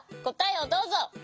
こたえをどうぞ！